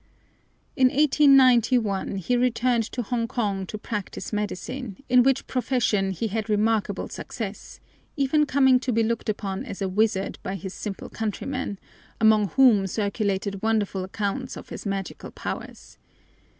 In 1891 he returned to Hongkong to practise medicine, in which profession he had remarkable success, even coming to be looked upon as a wizard by his simple countrymen, among whom circulated wonderful accounts of his magical powers.